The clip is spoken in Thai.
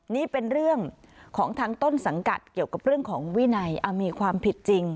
นี่เป็นเรื่องของทางต้นสังกัดเกี่ยวกับเรื่องของวินัยมีความผิดจริง